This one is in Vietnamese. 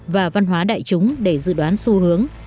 và văn hóa đại chúng để dự đoán xu hướng